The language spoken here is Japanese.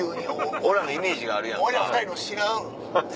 俺らのイメージがあるやんか。